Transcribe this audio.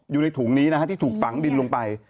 อยู่ในถุงนี้นะฮะที่ถูกฝังดินลงไป